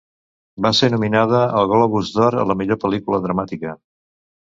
Va ser nominada al Globus d'Or a la millor pel·lícula dramàtica.